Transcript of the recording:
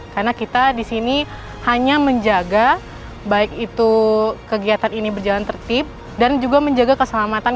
karena kita di sini hanya menjaga baik itu kegiatan ini berjalan tertib dan juga menjaga keselamatan